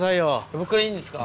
僕からいいんですか。